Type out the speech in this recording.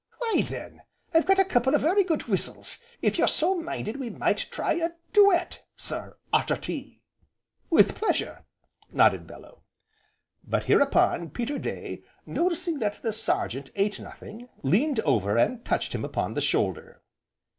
"Why then, I've got a couple o' very good whistles, if you're so minded we might try a doo et, sir, arter tea." "With pleasure!" nodded Bellew. But, hereupon, Peterday noticing that the Sergeant ate nothing, leaned over and touched him upon the shoulder.